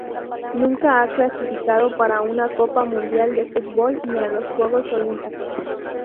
Nunca ha clasificado para una Copa Mundial de Fútbol ni a los Juegos Olímpicos.